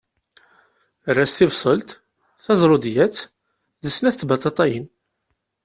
Err-as tibṣelt, tazṛudiyat d snat tbaṭaṭayin.